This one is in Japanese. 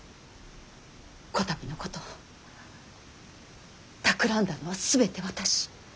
こたびのことたくらんだのは全て私。